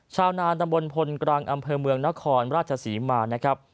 ชาวนานตำบลพลกรังอำเภอเมืองนครราชศรีมานะครับ